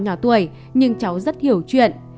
nhỏ tuổi nhưng cháu rất hiểu chuyện